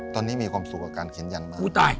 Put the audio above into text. ตอนนี้มีความสุขกับการเขียนยันมาก